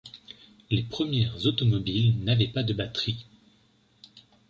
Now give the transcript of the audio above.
Les premières automobiles n'avaient pas de batterie.